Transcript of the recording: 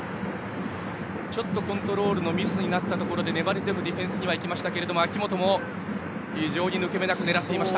ちょっとコントロールのミスになったところで粘り強くディフェンスに行きましたが明本も非常に抜け目なく狙っていました。